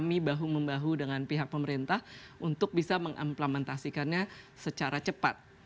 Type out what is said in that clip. kami bahu membahu dengan pihak pemerintah untuk bisa mengimplementasikannya secara cepat